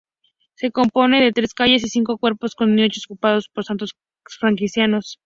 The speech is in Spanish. Se compone de tres calles y cinco cuerpos con nichos ocupados por santos franciscanos.